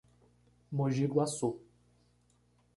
Mogi Guaçu